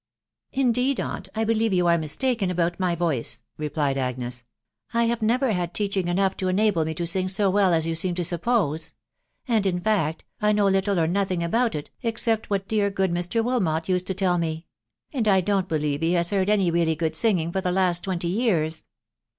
" Indeed, aunt, I believe you are mistaken about my voice," replied Agnes : "I have never had teaching enough to snabfe me to sing so well as you seem to suppose ; and, in fact, I know little or nothing about it, except what dear good Mr. Wilmot used to tell me ; and I don't believe he has heard .any really good singing for the last twenty years."